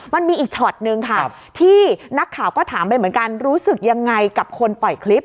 มันมีอีกช็อตนึงค่ะที่นักข่าวก็ถามไปเหมือนกันรู้สึกยังไงกับคนปล่อยคลิป